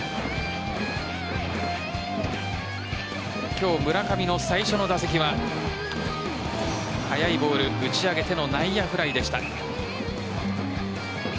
今日、村上の最初の打席は速いボール打ち上げての内野フライでした。